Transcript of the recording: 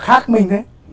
khác mình đấy